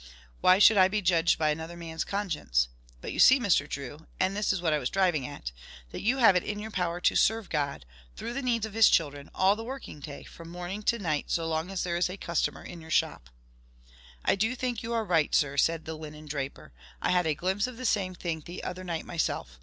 Why should I be judged by another man's conscience? But you see, Mr. Drew, and this is what I was driving at that you have it in your power to SERVE God, through the needs of his children, all the working day, from morning to night, so long as there is a customer in your shop." "I do think you are right, sir," said the linen draper. "I had a glimpse of the same thing the other night myself.